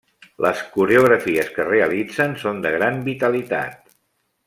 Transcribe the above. Les coreografies que realitzen són de gran vitalitat.